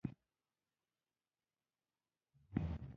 طالبانو په چیني باندې په غوسه سره بړچ وکړ.